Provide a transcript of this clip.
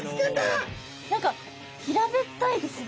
何か平べったいですね。